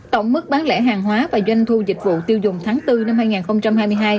tổng mức bán lẻ hàng hóa và doanh thu dịch vụ tiêu dùng tháng bốn năm hai nghìn hai mươi hai